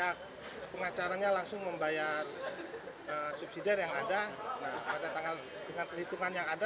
dan pihak pengacaranya langsung membayar subsidi yang ada pada tanggal dengan perhitungan yang ada